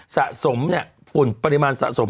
สะสมเนี่ยฝุ่นปริมาณสะสม